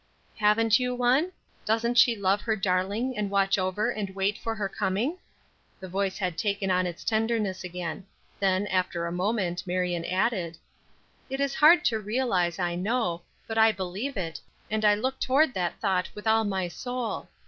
"Haven't you one? Doesn't she love her darling and watch over and wait for her coming?" The voice had taken on its tenderness again. Then, after a moment, Marion added: "It is hard to realize, I know, but I believe it, and I look toward that thought with all my soul.